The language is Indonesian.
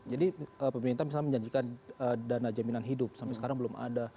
pemerintah misalnya menjanjikan dana jaminan hidup sampai sekarang belum ada